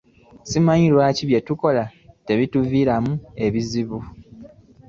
Simanyi oba byetukola tebiituviiremu obuzibu.